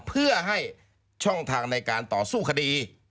เพื่อให้ช่องทางในการต่อสู้คดี